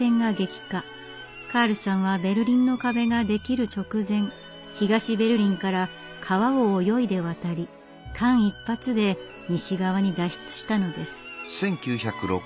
カールさんは「ベルリンの壁」ができる直前東ベルリンから川を泳いで渡り間一髪で西側に脱出したのです。